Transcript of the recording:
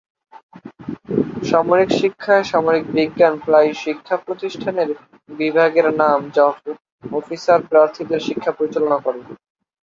সামরিক শিক্ষায়, সামরিক বিজ্ঞান প্রায়ই শিক্ষা প্রতিষ্ঠানের বিভাগের নাম যা অফিসার প্রার্থীদের শিক্ষা পরিচালনা করে।